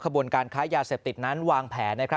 บนการค้ายาเสพติดนั้นวางแผน